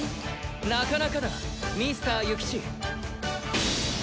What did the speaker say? なかなかだミスター諭吉。